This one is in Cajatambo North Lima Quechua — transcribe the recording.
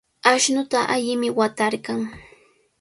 Ashnuta allimi watarqan.